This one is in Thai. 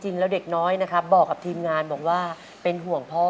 จริงแล้วเด็กน้อยนะครับบอกกับทีมงานบอกว่าเป็นห่วงพ่อ